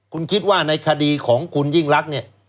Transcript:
คุณคิดว่าในคดีของคุณยิ่งรักเนี่ย